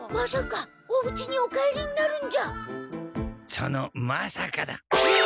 そのまさかだ。え！？